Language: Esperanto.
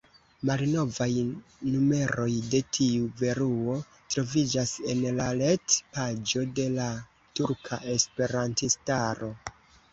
Malnovaj numeroj de tiu revuo troviĝas en la ret-paĝo de la turka esperantistaro.